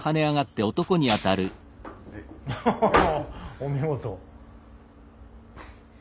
お見事。